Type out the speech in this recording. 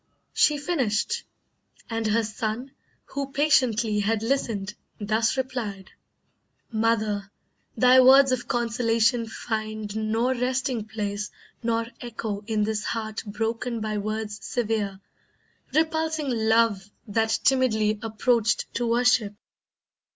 She finished, and her son, Who patiently had listened, thus replied: "Mother, thy words of consolation find Nor resting place, nor echo in this heart Broken by words severe, repulsing Love That timidly approached to worship.